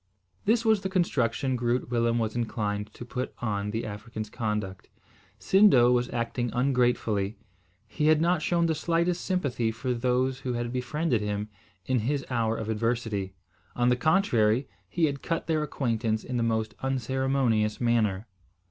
This was the construction Groot Willem was inclined to put on the African's conduct. Sindo was acting ungratefully. He had not shown the slightest sympathy for those who had befriended him in his hour of adversity. On the contrary, he had cut their acquaintance in the most unceremonious manner.